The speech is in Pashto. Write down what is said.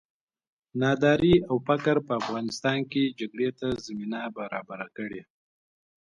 ناداري او فقر په افغانستان کې جګړې ته زمینه برابره کړې.